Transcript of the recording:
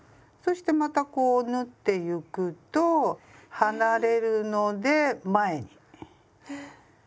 そしてまたこう縫ってゆくと離れるので前に。